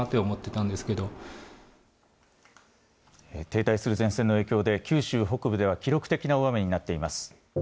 停滞する前線の影響で、九州北部では記録的な大雨になっています。